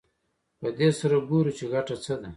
په دې سره ګورو چې ګټه څه ده